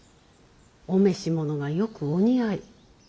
お召し物がよくお似合い。